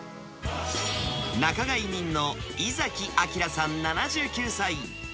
仲買人の猪崎晃さん７９歳。